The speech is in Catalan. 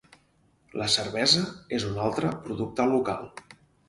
La cervesa és un altre producte local.